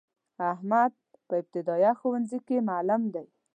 احمد په ابتدایه ښونځی کی معلم دی.